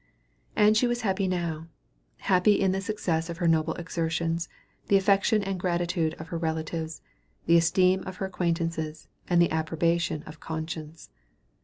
And she was happy now; happy in the success of her noble exertions, the affection and gratitude of her relatives, the esteem of her acquaintances, and the approbation of conscience.